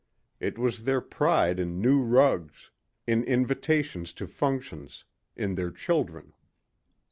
It was their pride in new rugs, in invitations to functions, in their children.